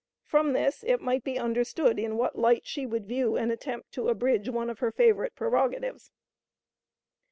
From this, it might be understood in what light she would view an attempt to abridge one of her favorite prerogatives.